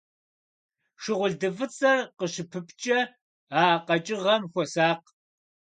Шыгъулды фӀыцӀэр къыщыпыпчкӀэ а къэкӀыгъэм хуэсакъ.